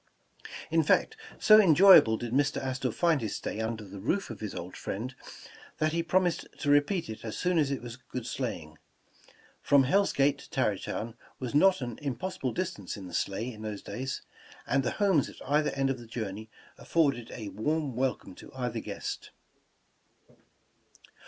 In fact, so enjoyable did Mr. Astor find his stay under the roof of his old friend, that he promised to repeat it as soon as it was good sleighing. From Hell Gate to Tarrytown was not an impossible distance in a sleigh for those days, and the homes at either end of the journey af forded a warm welcome to either guest.